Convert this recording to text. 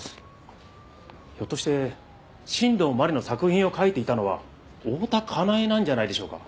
ひょっとして新道真理の作品を書いていたのは大多香苗なんじゃないでしょうか？